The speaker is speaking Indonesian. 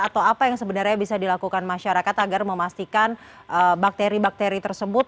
atau apa yang sebenarnya bisa dilakukan masyarakat agar memastikan bakteri bakteri tersebut